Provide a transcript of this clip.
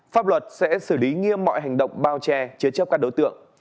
pháp luật sẽ xử lý nghiêm mọi hành động bao che chế chấp các đối tượng